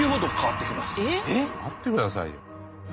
待ってくださいよ。